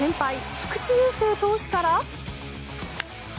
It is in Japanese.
菊池雄星投手から。